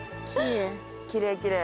きれいきれい。